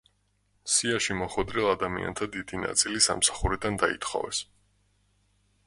სიაში მოხვედრილ ადამიანთა დიდი ნაწილი სამსახურიდან დაითხოვეს.